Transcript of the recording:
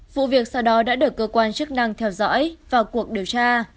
vụ việc sau đó đã được cơ quan chức năng theo dõi vào cuộc điều tra